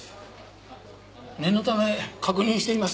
念のため確認してみます。